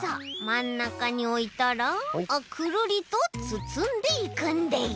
まんなかにおいたらくるりとつつんでいくんでい。